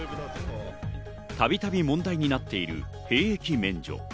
たびたび問題になっている兵役免除。